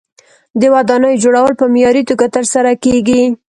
د ودانیو جوړول په معیاري توګه ترسره کیږي.